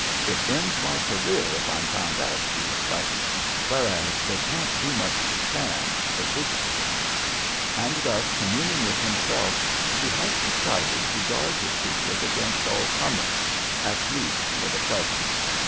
"It ends my career if I'm found out," he reflects, "whereas they can't do much to Stan for visiting." And thus communing with himself, he has decided to guard his secret against all comers, at least for the present.